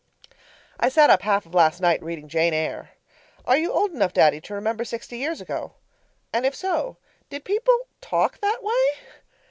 I sat up half of last night reading Jane Eyre. Are you old enough, Daddy, to remember sixty years ago? And, if so, did people talk that way?